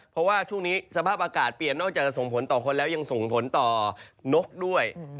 เพราะว่าช่วงนี้สภาพอากาศเปลี่ยนนอกจากจะส่งผลต่อคนแล้วยังส่งผลต่อนกด้วย